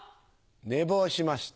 寝坊しました。